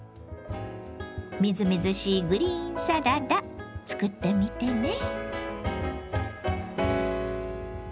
みずみずしいグリーンサラダ作ってみてね。